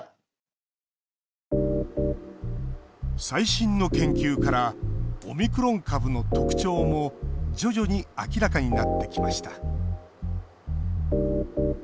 最新の研究からオミクロン株の特徴も徐々に明らかになってきました。